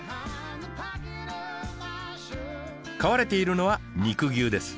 飼われているのは肉牛です。